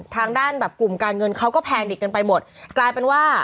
ทางด้านแบบกลุ่มการเงินเขาก็แพงดิกกันไปหมดกลายเป็นว่า